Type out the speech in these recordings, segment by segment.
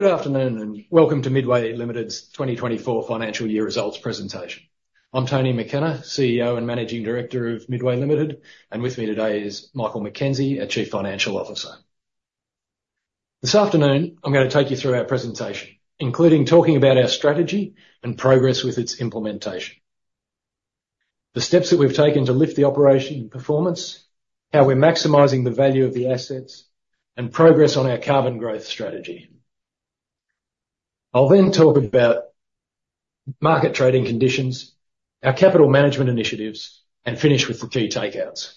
Good afternoon, and welcome to Midway Limited's 2024 financial year results presentation. I'm Tony McKenna, CEO and Managing Director of Midway Limited, and with me today is Michael McKenzie, our Chief Financial Officer. This afternoon, I'm gonna take you through our presentation, including talking about our strategy and progress with its implementation, the steps that we've taken to lift the operation and performance, how we're maximizing the value of the assets, and progress on our carbon growth strategy. I'll then talk about market trading conditions, our capital management initiatives, and finish with the key takeouts.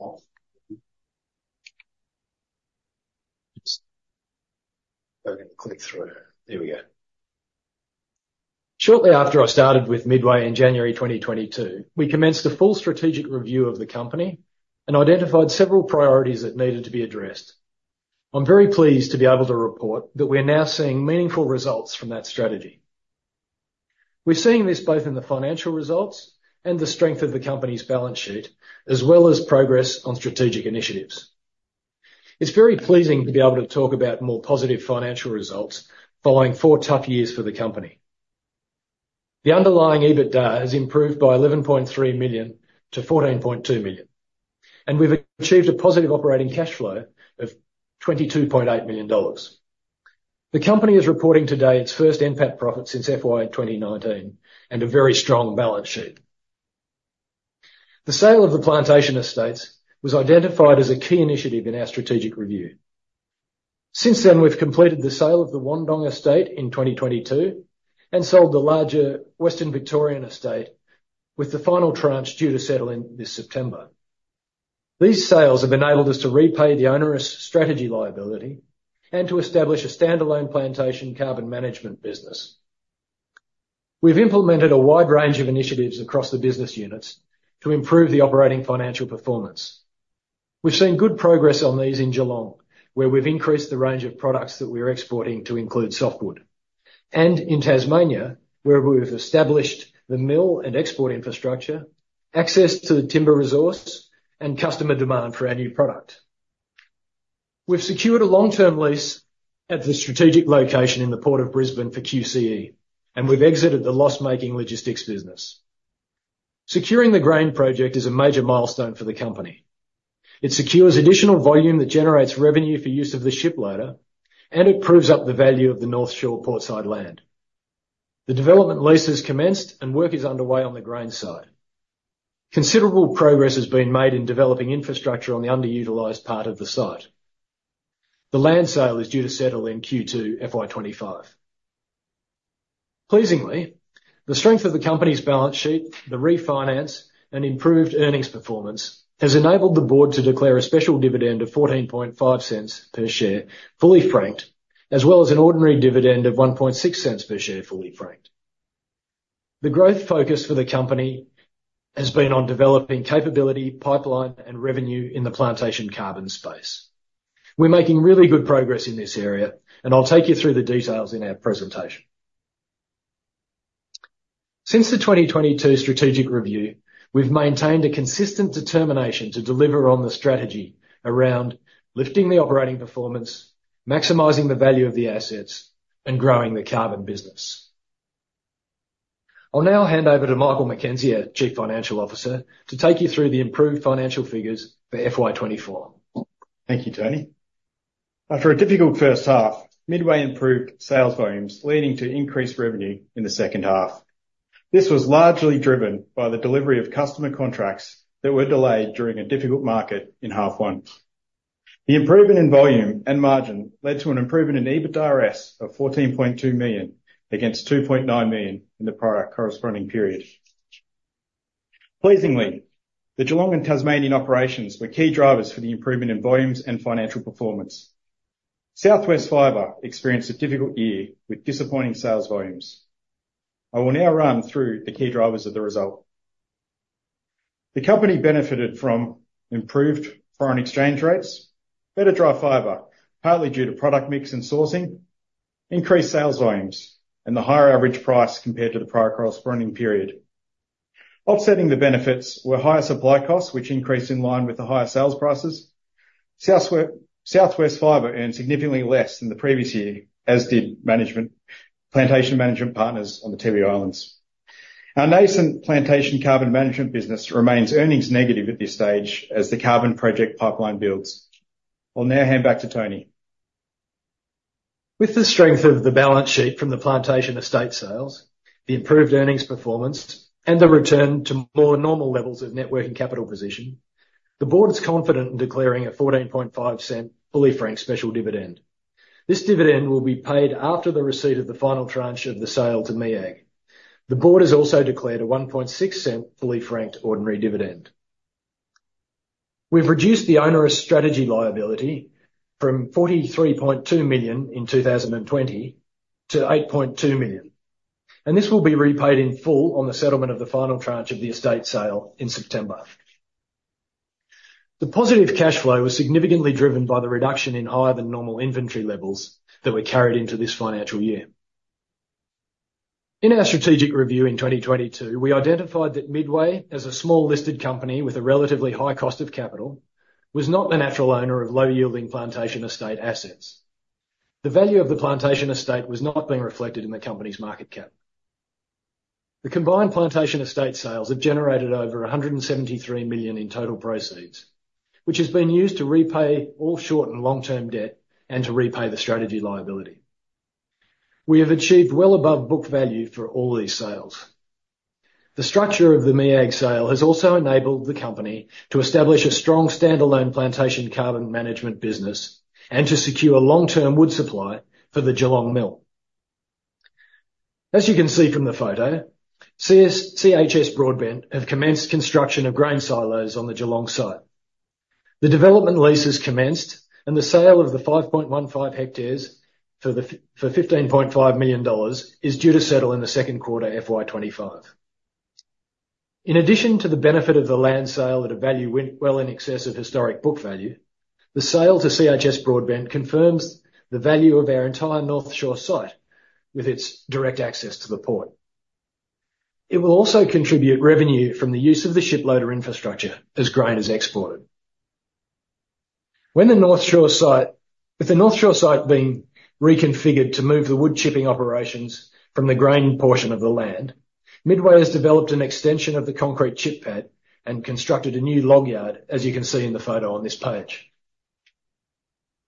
Oh. Just click through. There we go. Shortly after I started with Midway in January 2022, we commenced a full strategic review of the company and identified several priorities that needed to be addressed. I'm very pleased to be able to report that we're now seeing meaningful results from that strategy. We're seeing this both in the financial results and the strength of the company's balance sheet, as well as progress on strategic initiatives. It's very pleasing to be able to talk about more positive financial results following four tough years for the company. The underlying EBITDA has improved by 11.3 million to 14.2 million, and we've achieved a positive operating cashflow of 22.8 million dollars. The company is reporting today its first NPAT profit since FY 2019, and a very strong balance sheet. The sale of the plantation estates was identified as a key initiative in our strategic review. Since then, we've completed the sale of the Wandong estate in 2022, and sold the larger Western Victorian estate, with the final tranche due to settle in this September. These sales have enabled us to repay the onerous Strategy liability and to establish a standalone plantation carbon management business. We've implemented a wide range of initiatives across the business units to improve the operating financial performance. We've seen good progress on these in Geelong, where we've increased the range of products that we're exporting to include softwood, and in Tasmania, where we've established the mill and export infrastructure, access to the timber resource, and customer demand for our new product. We've secured a long-term lease at the strategic location in the Port of Brisbane for QCE, and we've exited the loss-making logistics business. Securing the grain project is a major milestone for the company. It secures additional volume that generates revenue for use of the ship loader, and it proves up the value of the North Shore portside land. The development lease has commenced, and work is underway on the grain side. Considerable progress has been made in developing infrastructure on the underutilized part of the site. The land sale is due to settle in Q2 FY 2025. Pleasingly, the strength of the company's balance sheet, the refinance, and improved earnings performance, has enabled the board to declare a special dividend of 0.145 per share, fully franked, as well as an ordinary dividend of 0.016 per share, fully franked. The growth focus for the company has been on developing capability, pipeline, and revenue in the plantation carbon space. We're making really good progress in this area, and I'll take you through the details in our presentation. Since the 2022 strategic review, we've maintained a consistent determination to deliver on the strategy around lifting the operating performance, maximizing the value of the assets, and growing the carbon business. I'll now hand over to Michael McKenzie, our Chief Financial Officer, to take you through the improved financial figures for FY 2024. Thank you, Tony. After a difficult first half, Midway improved sales volumes, leading to increased revenue in the second half. This was largely driven by the delivery of customer contracts that were delayed during a difficult market in half one. The improvement in volume and margin led to an improvement in EBITDA-S of 14.2 million, against 2.9 million in the prior corresponding period. Pleasingly, the Geelong and Tasmanian operations were key drivers for the improvement in volumes and financial performance. South West Fibre experienced a difficult year with disappointing sales volumes. I will now run through the key drivers of the result. The company benefited from improved foreign exchange rates, better dry fiber, partly due to product mix and sourcing, increased sales volumes, and the higher average price compared to the prior corresponding period. Offsetting the benefits were higher supply costs, which increased in line with the higher sales prices. South West Fibre earned significantly less than the previous year, as did management, Plantation Management Partners on the Tiwi Islands. Our nascent plantation carbon management business remains earnings negative at this stage as the carbon project pipeline builds. I'll now hand back to Tony. With the strength of the balance sheet from the plantation estate sales, the improved earnings performance, and the return to more normal levels of net working capital position, the board is confident in declaring a 0.145 fully franked special dividend. This dividend will be paid after the receipt of the final tranche of the sale to MEAG. The board has also declared a 0.016 fully franked ordinary dividend. We've reduced the onerous Strategy liability from 43.2 million in 2020 to 8.2 million, and this will be repaid in full on the settlement of the final tranche of the estate sale in September. The positive cashflow was significantly driven by the reduction in higher-than-normal inventory levels that were carried into this financial year. In our strategic review in 2022, we identified that Midway, as a small listed company with a relatively high cost of capital, was not the natural owner of low-yielding plantation estate assets. The value of the plantation estate was not being reflected in the company's market cap. The combined plantation estate sales have generated over 173 million in total proceeds, which has been used to repay all short and long-term debt and to repay the Strategy liability. We have achieved well above book value for all these sales. The structure of the MEAG sale has also enabled the company to establish a strong standalone plantation carbon management business and to secure a long-term wood supply for the Geelong Mill. As you can see from the photo, CHS Broadbent have commenced construction of grain silos on the Geelong site. The development leases commenced, and the sale of the 5.15 hectares for 15.5 million dollars is due to settle in the second quarter, FY 2025. In addition to the benefit of the land sale at a value well in excess of historic book value, the sale to CHS Broadbent confirms the value of our entire North Shore site, with its direct access to the port. It will also contribute revenue from the use of the ship loader infrastructure as grain is exported. With the North Shore site being reconfigured to move the wood chipping operations from the grain portion of the land, Midway has developed an extension of the concrete chip pad and constructed a new log yard, as you can see in the photo on this page.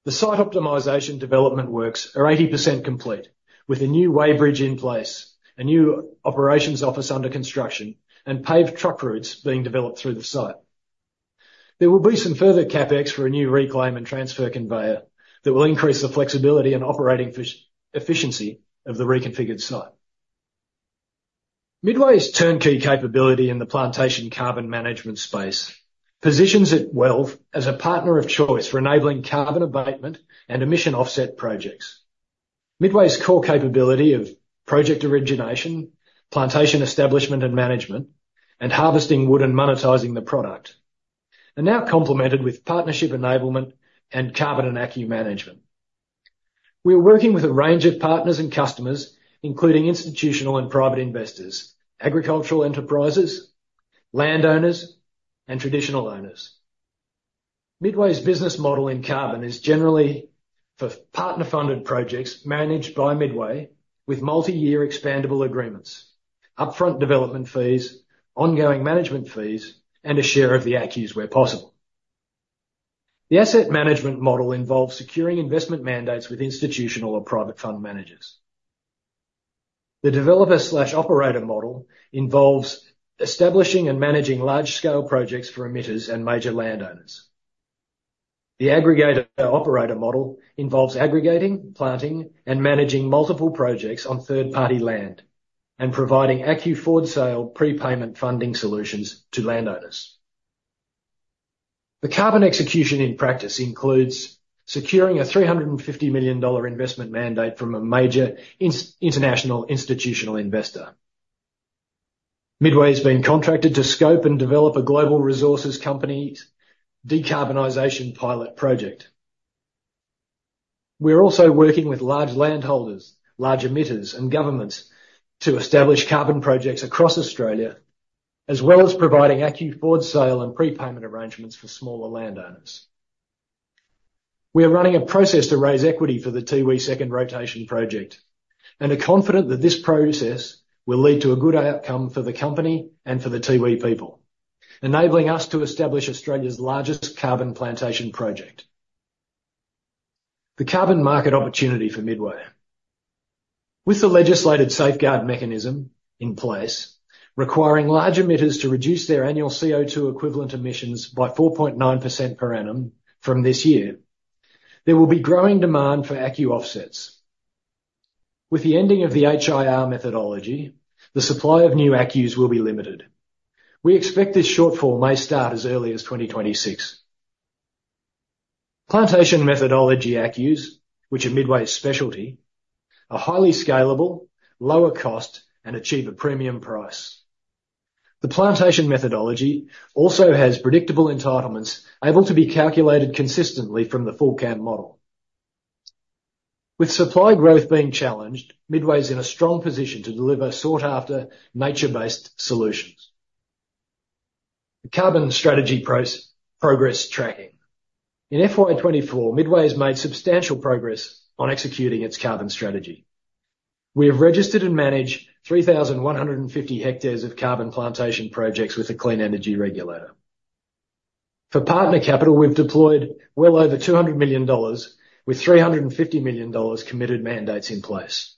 The site optimization development works are 80% complete, with a new weighbridge in place, a new operations office under construction, and paved truck routes being developed through the site. There will be some further CapEx for a new reclaim and transfer conveyor that will increase the flexibility and operating efficiency of the reconfigured site. Midway's turnkey capability in the plantation carbon management space positions it well as a partner of choice for enabling carbon abatement and emission offset projects. Midway's core capability of project origination, plantation establishment and management, and harvesting wood and monetizing the product, are now complemented with partnership enablement and carbon and ACCU management. We are working with a range of partners and customers, including institutional and private investors, agricultural enterprises, landowners, and traditional owners. Midway's business model in carbon is generally for partner-funded projects managed by Midway, with multi-year expandable agreements, upfront development fees, ongoing management fees, and a share of the ACCUs where possible. The asset management model involves securing investment mandates with institutional or private fund managers. The developer/operator model involves establishing and managing large-scale projects for emitters and major landowners. The aggregator operator model involves aggregating, planting, and managing multiple projects on third-party land, and providing ACCU forward sale prepayment funding solutions to landowners. The carbon execution in practice includes securing an 350 million dollar investment mandate from a major international institutional investor. Midway has been contracted to scope and develop a global resources company's decarbonization pilot project. We're also working with large landholders, large emitters, and governments to establish carbon projects across Australia, as well as providing ACCU forward sale and prepayment arrangements for smaller landowners. We are running a process to raise equity for the Tiwi Second Rotation project, and are confident that this process will lead to a good outcome for the company and for the Tiwi people, enabling us to establish Australia's largest carbon plantation project. The carbon market opportunity for Midway. With the legislated Safeguard Mechanism in place, requiring large emitters to reduce their annual CO2 equivalent emissions by 4.9% per annum from this year, there will be growing demand for ACCU offsets. With the ending of the HIR methodology, the supply of new ACCUs will be limited. We expect this shortfall may start as early as 2026. Plantation methodology ACCUs, which are Midway's specialty, are highly scalable, lower cost, and achieve a premium price. The plantation methodology also has predictable entitlements, able to be calculated consistently from the FullCAM model. With supply growth being challenged, Midway's in a strong position to deliver sought-after, nature-based solutions. The carbon strategy progress tracking. In FY 2024, Midway has made substantial progress on executing its carbon strategy. We have registered and managed 3,150 hectares of carbon plantation projects with the Clean Energy Regulator. For partner capital, we've deployed well over 200 million dollars, with 350 million dollars committed mandates in place.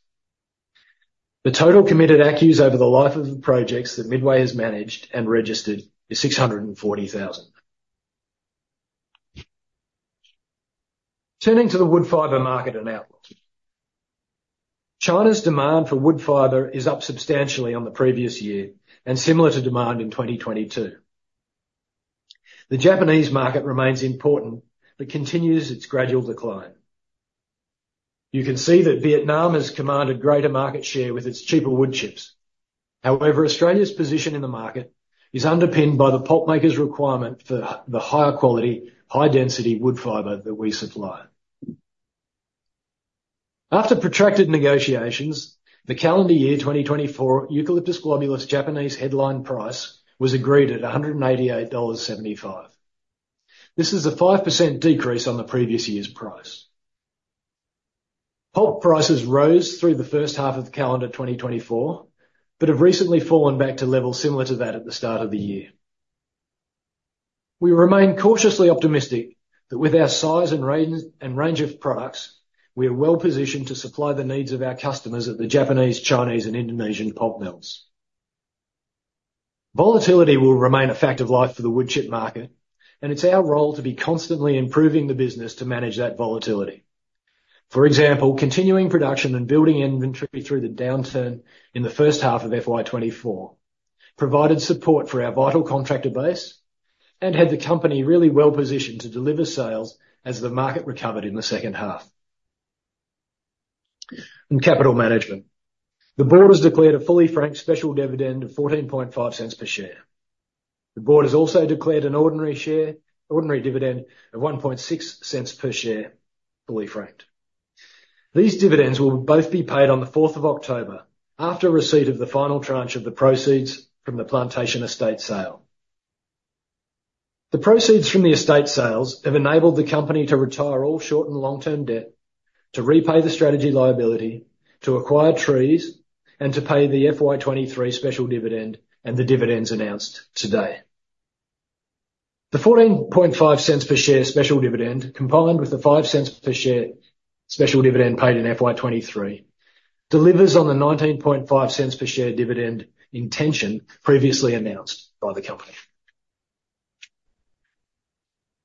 The total committed ACCUs over the life of the projects that Midway has managed and registered is 640,000. Turning to the wood fiber market and outlook. China's demand for wood fiber is up substantially on the previous year and similar to demand in 2022. The Japanese market remains important, but continues its gradual decline. You can see that Vietnam has commanded greater market share with its cheaper wood chips. However, Australia's position in the market is underpinned by the pulp maker's requirement for the higher quality, high density wood fiber that we supply. After protracted negotiations, the calendar year 2024 Eucalyptus globulus Japanese headline price was agreed at $188.75. This is a 5% decrease on the previous year's price. Pulp prices rose through the first half of calendar 2024, but have recently fallen back to levels similar to that at the start of the year. We remain cautiously optimistic that with our size and range of products, we are well-positioned to supply the needs of our customers at the Japanese, Chinese, and Indonesian pulp mills. Volatility will remain a fact of life for the wood chip market, and it's our role to be constantly improving the business to manage that volatility. For example, continuing production and building inventory through the downturn in the first half of FY 2024 provided support for our vital contractor base and had the company really well-positioned to deliver sales as the market recovered in the second half. In capital management, the board has declared a fully franked special dividend of 0.145 per share. The board has also declared an ordinary dividend of 0.016 per share, fully franked. These dividends will both be paid on the 4th of October, after receipt of the final tranche of the proceeds from the plantation estate sale. The proceeds from the estate sales have enabled the company to retire all short and long-term debt, to repay the onerous Strategy liability, to acquire trees, and to pay the FY 2023 special dividend and the dividends announced today. The AUD 0.145 per share special dividend, combined with the 0.05 per share special dividend paid in FY 2023, delivers on the 0.195 per share dividend intention previously announced by the company.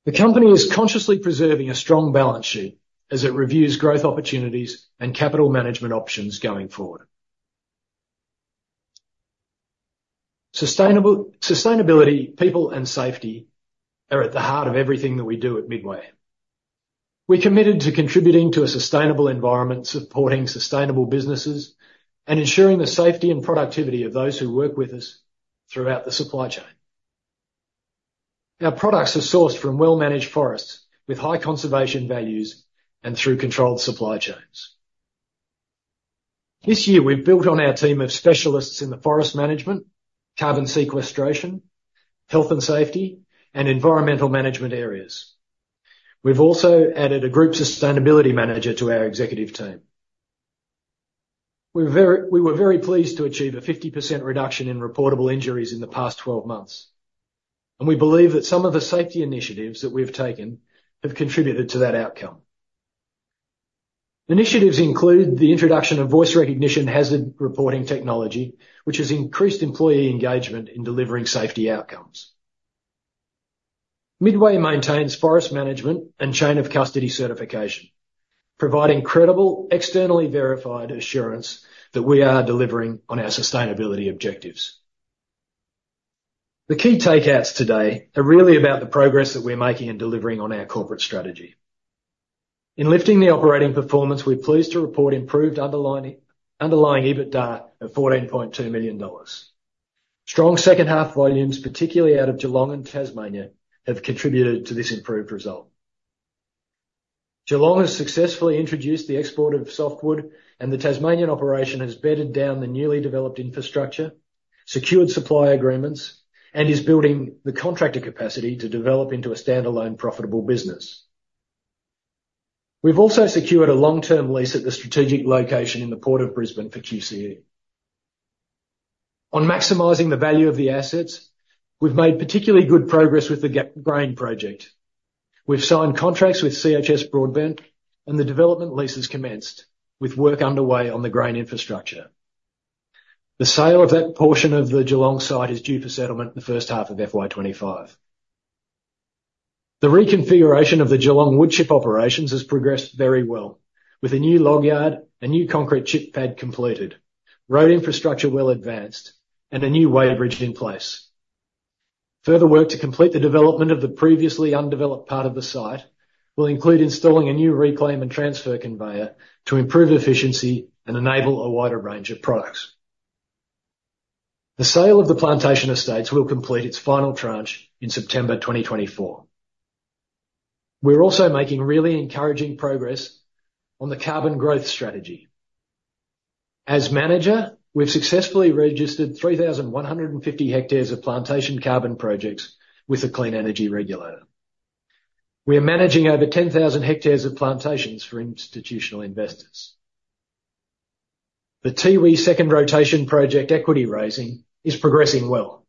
The company is consciously preserving a strong balance sheet as it reviews growth opportunities and capital management options going forward. Sustainability, people, and safety are at the heart of everything that we do at Midway. We're committed to contributing to a sustainable environment, supporting sustainable businesses, and ensuring the safety and productivity of those who work with us throughout the supply chain. Our products are sourced from well-managed forests with high conservation values and through controlled supply chains. This year, we've built on our team of specialists in the forest management, carbon sequestration, health and safety, and environmental management areas. We've also added a group sustainability manager to our executive team. We were very pleased to achieve a 50% reduction in reportable injuries in the past 12 months, and we believe that some of the safety initiatives that we've taken have contributed to that outcome. Initiatives include the introduction of voice recognition hazard reporting technology, which has increased employee engagement in delivering safety outcomes. Midway maintains forest management and chain of custody certification, providing credible, externally verified assurance that we are delivering on our sustainability objectives. The key takeouts today are really about the progress that we're making in delivering on our corporate strategy. In lifting the operating performance, we're pleased to report improved underlying, underlying EBITDA of 14.2 million dollars. Strong second half volumes, particularly out of Geelong and Tasmania, have contributed to this improved result. Geelong has successfully introduced the export of softwood, and the Tasmanian operation has bedded down the newly developed infrastructure, secured supply agreements, and is building the contractor capacity to develop into a standalone, profitable business. We've also secured a long-term lease at the strategic location in the Port of Brisbane for QCE. On maximizing the value of the assets, we've made particularly good progress with the Geelong Grain Project. We've signed contracts with CHS Broadbent, and the development leases commenced with work underway on the grain infrastructure. The sale of that portion of the Geelong site is due for settlement in the first half of FY 2025. The reconfiguration of the Geelong wood chip operations has progressed very well, with a new log yard, a new concrete chip pad completed, road infrastructure well advanced, and a new weighbridge in place. Further work to complete the development of the previously undeveloped part of the site will include installing a new reclaim and transfer conveyor to improve efficiency and enable a wider range of products. The sale of the plantation estates will complete its final tranche in September 2024. We're also making really encouraging progress on the carbon growth strategy. As manager, we've successfully registered 3,150 hectares of plantation carbon projects with the Clean Energy Regulator. We are managing over 10,000 hectares of plantations for institutional investors. The Tiwi Second Rotation Project equity raising is progressing well,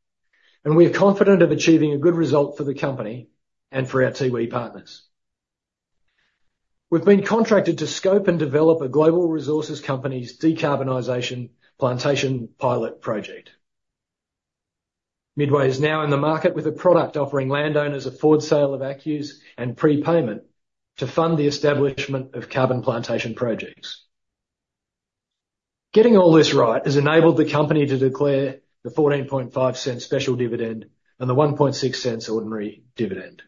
and we are confident of achieving a good result for the company and for our Tiwi partners. We've been contracted to scope and develop a global resources company's decarbonization plantation pilot project. Midway is now in the market with a product offering landowners a forward sale of ACCUs and prepayment to fund the establishment of carbon plantation projects. Getting all this right has enabled the company to declare the 0.145 special dividend and the 0.016 ordinary dividend.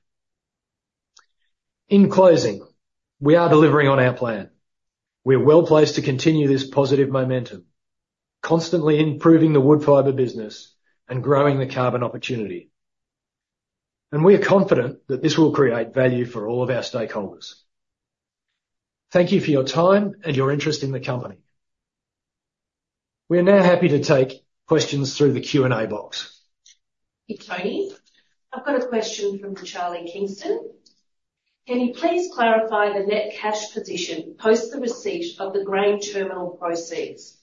In closing, we are delivering on our plan. We are well placed to continue this positive momentum, constantly improving the wood fiber business, and growing the carbon opportunity... and we are confident that this will create value for all of our stakeholders. Thank you for your time and your interest in the company. We are now happy to take questions through the Q&A box. Thank you, Tony. I've got a question from Charlie Kingston: "Can you please clarify the net cash position post the receipt of the grain terminal proceeds?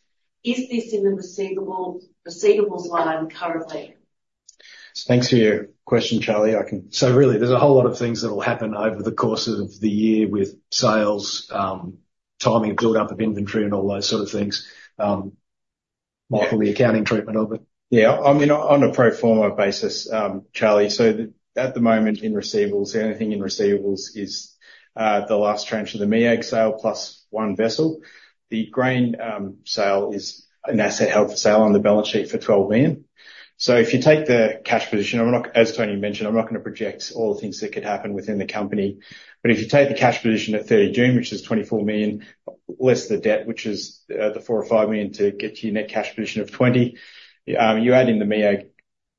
Is this in the receivable, receivables line currently? Thanks for your question, Charlie. I can- So really, there's a whole lot of things that will happen over the course of the year with sales, timing and build-up of inventory and all those sort of things. Michael, the accounting treatment of it. Yeah, I mean, on a pro forma basis, Charlie, so at the moment, in receivables, anything in receivables is, the last tranche of the MEAG sale, plus one vessel. The grain sale is an asset held for sale on the balance sheet for AUD 12 million. So if you take the cash position, I'm not, as Tony mentioned, I'm not going to project all the things that could happen within the company. But if you take the cash position at 30 June, which is 24 million, less the debt, which is, the 4 or 5 million, to get to your net cash position of 20 million. You add in the MEAG,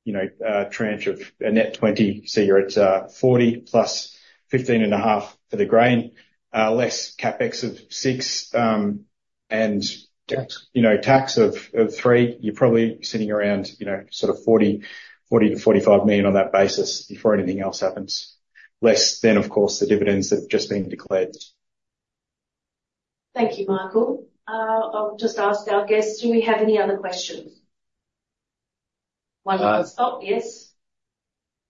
you know, tranche of a net 20 million, so you're at, 40 million plus 15.5 million for the grain, less CapEx of 6 million. And- Tax. You know, tax of three, you're probably sitting around, you know, sort of 40-45 million on that basis before anything else happens. Less, then, of course, the dividends that have just been declared. Thank you, Michael. I'll just ask our guests, do we have any other questions? Uh- Oh, yes.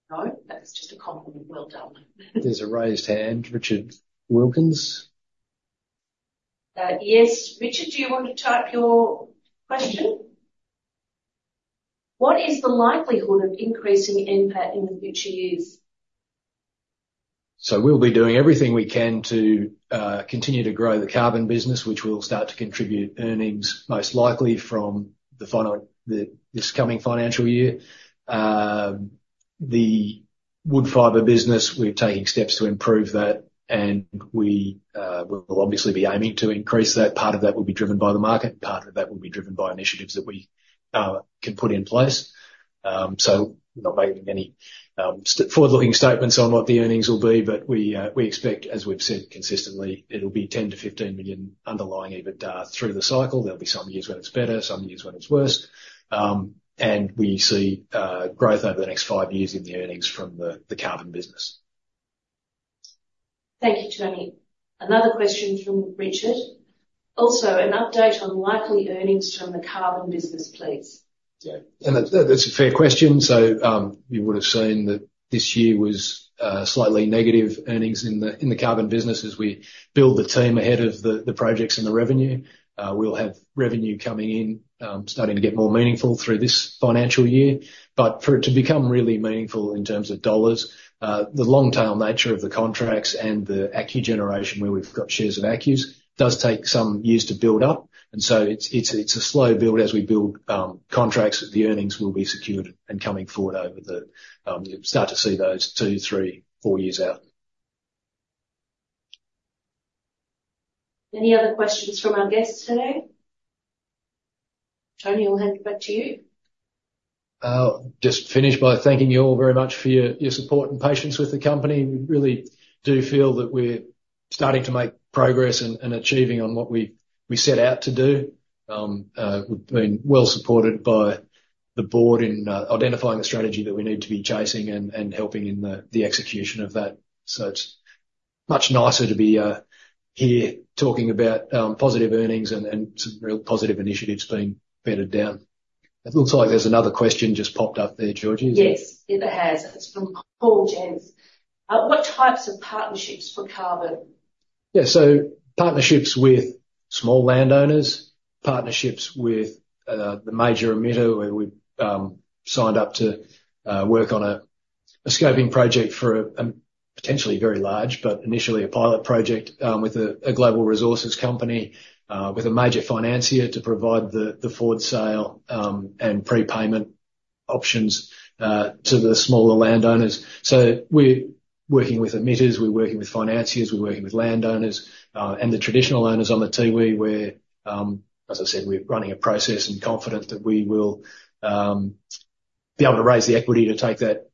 No, that was just a compliment. Well done. There's a raised hand, Richard Wilkins. Yes, Richard, do you want to type your question?: "What is the likelihood of increasing NPAT in the future years? So we'll be doing everything we can to continue to grow the carbon business, which will start to contribute earnings, most likely from this coming financial year. The wood fiber business, we're taking steps to improve that, and we, we'll obviously be aiming to increase that. Part of that will be driven by the market, part of that will be driven by initiatives that we can put in place, so not making any forward-looking statements on what the earnings will be, but we, we expect, as we've said consistently, it'll be 10 million-15 million underlying EBITDA through the cycle. There'll be some years when it's better, some years when it's worse, and we see growth over the next five years in the earnings from the carbon business. Thank you, Tony. Another question from Richard: "Also, an update on likely earnings from the carbon business, please. Yeah, and that, that's a fair question. So, you would've seen that this year was slightly negative earnings in the carbon business as we build the team ahead of the projects and the revenue. We'll have revenue coming in, starting to get more meaningful through this financial year. But for it to become really meaningful in terms of dollars, the long tail nature of the contracts and the ACCU generation, where we've got shares of ACCUs, does take some years to build up, and so it's a slow build. As we build contracts, the earnings will be secured and coming forward over the, you'll start to see those two, three, four years out. Any other questions from our guests today? Tony, I'll hand it back to you. I'll just finish by thanking you all very much for your support and patience with the company. We really do feel that we're starting to make progress and achieving on what we set out to do. We've been well supported by the board in identifying the strategy that we need to be chasing and helping in the execution of that. So it's much nicer to be here talking about positive earnings and some real positive initiatives being bedded down. It looks like there's another question just popped up there, Georgie. Yes. Yes, it has. It's from Paul Jans. "What types of partnerships for carbon? Yeah, so partnerships with small landowners, partnerships with the major emitter, where we've signed up to work on a scoping project for a potentially very large, but initially a pilot project, with a global resources company. With a major financier to provide the forward sale and prepayment options to the smaller landowners. So we're working with emitters, we're working with financiers, we're working with landowners. And the traditional owners on the Tiwi, we're as I said, we're running a process and confident that we will be able to raise the equity to take that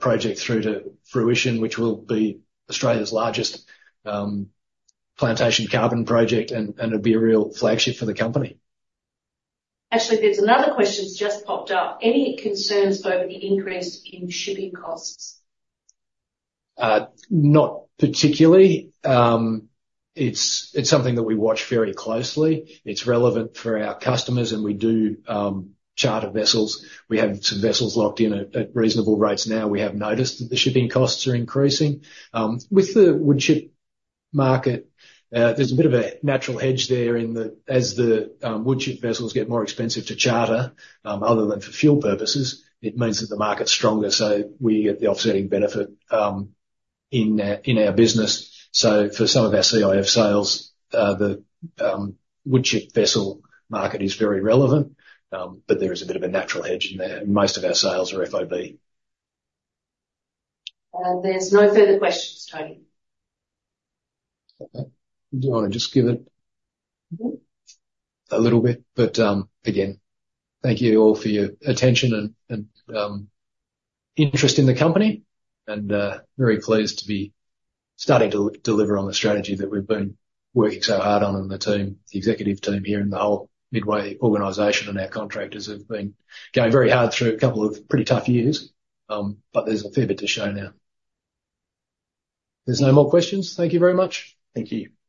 project through to fruition, which will be Australia's largest plantation carbon project, and it'll be a real flagship for the company. Actually, there's another question that's just popped up. "Any concerns over the increase in shipping costs? Not particularly. It's something that we watch very closely. It's relevant for our customers, and we do charter vessels. We have some vessels locked in at reasonable rates now. We have noticed that the shipping costs are increasing. With the wood chip market, there's a bit of a natural hedge there in that as the wood chip vessels get more expensive to charter, other than for fuel purposes, it means that the market's stronger, so we get the offsetting benefit in our business. So for some of our CIF sales, the wood chip vessel market is very relevant, but there is a bit of a natural hedge in there, and most of our sales are FOB. There's no further questions, Tony. Okay. Do you want to just give it- Mm-hmm. A little bit, but again, thank you all for your attention and interest in the company, and very pleased to be starting to deliver on the strategy that we've been working so hard on in the team. The executive team here, and the whole Midway organization and our contractors have been going very hard through a couple of pretty tough years. But there's a fair bit to show now. If there's no more questions, thank you very much. Thank you.